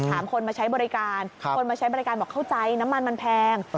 คนมาใช้บริการคนมาใช้บริการบอกเข้าใจน้ำมันมันแพง